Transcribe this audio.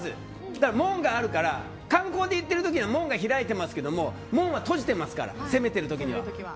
門があるから観光で行っている時は門が開いてますけど門は閉じてますから攻めている時はね。